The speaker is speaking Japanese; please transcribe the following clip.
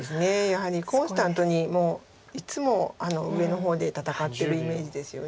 やはりコンスタントにもういつも上の方で戦ってるイメージですよね。